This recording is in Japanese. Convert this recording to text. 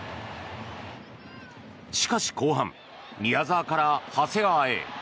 しかし、後半宮澤から長谷川へ。